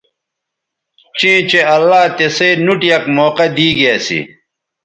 چیں چہء اللہ تسئ نوٹ یک موقعہ دی گی اسی